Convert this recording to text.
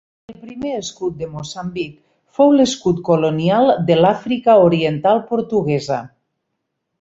El primer escut de Moçambic fou l'escut colonial de l'Àfrica Oriental Portuguesa.